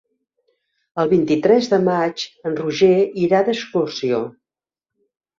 El vint-i-tres de maig en Roger irà d'excursió.